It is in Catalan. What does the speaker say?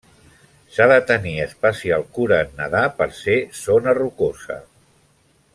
S'ha de tenir especial cura en nedar per ser zona rocosa.